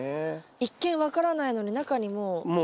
一見分からないのに中にもう。